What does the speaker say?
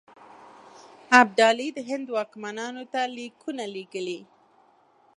ابدالي د هند واکمنانو ته لیکونه لېږلي.